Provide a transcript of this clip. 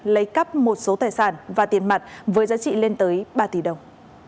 lấy cắp một số tài sản và tiền mặt với giá trị lên tới ba tỷ đồng